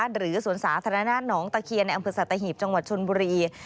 หรือสวนสาธารณะหนองตะเคียนในอำเภอสัตหีบจังหวัดชนบุรี